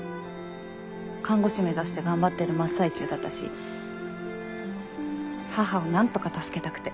看護師目指して頑張ってる真っ最中だったし母をなんとか助けたくて。